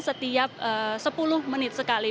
setiap sepuluh menit sekali